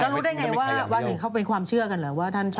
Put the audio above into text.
แล้วรู้ได้ไงว่าเขาเป็นความเชื่อกันหรือว่าท่านชอบ